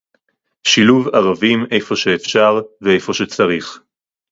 שילוב ערבים איפה שאפשר ואיפה שצריך